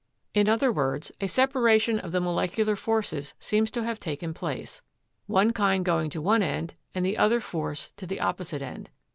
In other words, a separation of the molecular forces seems to have taken place, one kind going to one end and the other force to the opposite end.